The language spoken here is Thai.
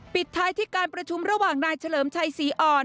ปิดท้ายที่การประชุมระหว่างนายเฉลิมชัยศรีอ่อน